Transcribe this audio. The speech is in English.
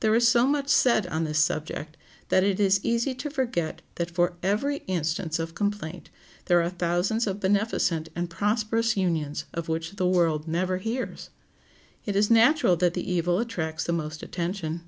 There is so much said on this subject that it is easy to forget that for every instance of complaint there are thousands of beneficent and prosperous unions of which the world never hears. It is natural that the evil attracts the most attention.